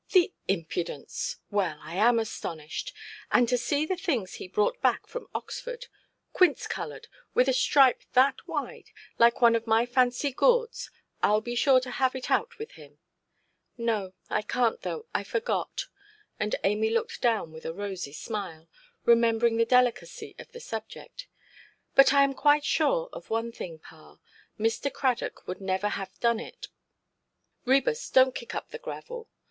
"The impudence! Well, I am astonished. And to see the things he brought back from Oxford—quince–coloured, with a stripe that wide, like one of my fancy gourds. Iʼll be sure to have it out with him. No, I canʼt, though; I forgot". And Amy looked down with a rosy smile, remembering the delicacy of the subject. "But I am quite sure of one thing, pa: Mr. Cradock would never have done it. Ræbus, donʼt kick up the gravel.